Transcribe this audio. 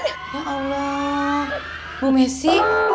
ya allah mbah messi